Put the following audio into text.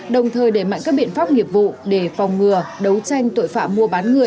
đồng thời đẩy mạnh các biện pháp nghiệp vụ để phòng ngừa đấu tranh tội phạm mua bán người